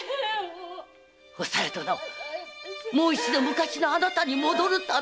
お小夜殿もう一度昔のあなたに戻るためにも‼